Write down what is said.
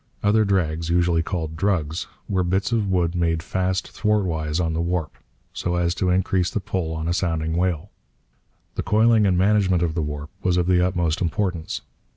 Other drags, usually called 'drugs,' were bits of wood made fast thwart wise on the warp, so as to increase the pull on a sounding whale. The coiling and management of the warp was of the utmost importance.